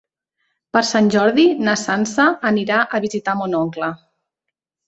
Per Sant Jordi na Sança anirà a visitar mon oncle.